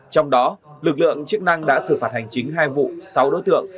trong đó lực lượng chức năng đã xử phạt hành chính hai vụ sáu đối tượng